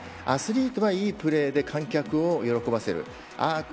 アスリートはいいプレーで観客を喜ばせる。